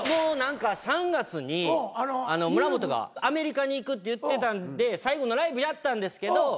３月に村本がアメリカに行くって言ってたんで最後のライブやったんですけど